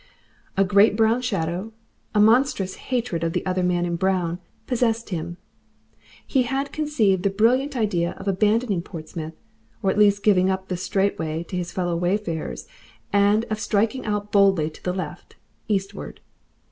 A great brown shadow, a monstrous hatred of the other man in brown, possessed him. He had conceived the brilliant idea of abandoning Portsmouth, or at least giving up the straight way to his fellow wayfarers, and of striking out boldly to the left, eastward.